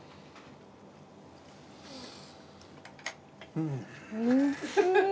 うん。